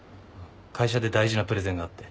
会社で大事なプレゼンがあって。